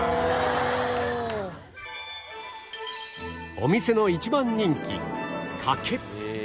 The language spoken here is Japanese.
お店の一番人気かけ